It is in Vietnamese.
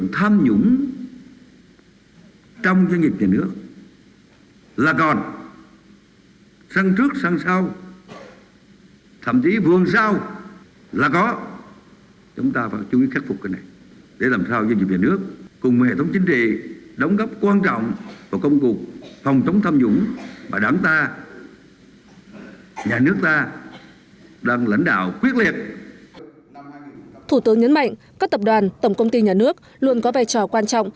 thủ tướng nhấn mạnh các tập đoàn tổng công ty nhà nước luôn có vai trò quan trọng